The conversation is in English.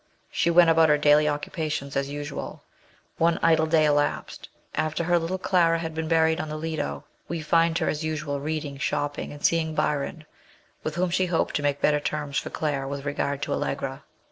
She went about her daily occupations as usual. One idle day elapsed, after her little Clara had been buried on the Lido ; we find her as usual reading, shopping, and seeing Byron, with whom she hoped to make better terms for Claire with regard to Allegra.